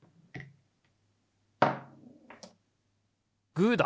グーだ！